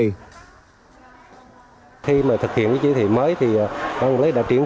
khi mà thực hiện cái siêu thị mới thì công lý đã triển khai thực hiện thì chia tầng suất cho bán hàng các ngành hàng thích yếu